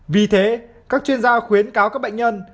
vì thế các chuyên gia khuyến cáo các bệnh nhân